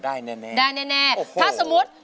๘๐๐๐๐ได้แน่ถ้าสมมติ